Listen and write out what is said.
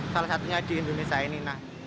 salah satunya di indonesia ini